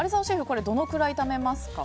これどのくらい炒めますか？